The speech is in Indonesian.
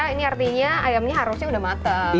ini artinya ayamnya harusnya udah matang